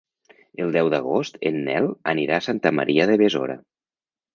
El deu d'agost en Nel anirà a Santa Maria de Besora.